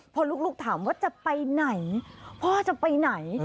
พอลูกถามว่าจะไปไหนพ่อจะไปไหน